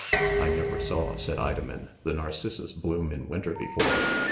u I never saw,' 5 said Idomen, "the narcissus bloom in winter before.